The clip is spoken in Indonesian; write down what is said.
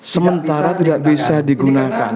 sementara tidak bisa digunakan